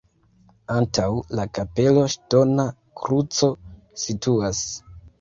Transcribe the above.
Antaŭ la kapelo ŝtona kruco situas.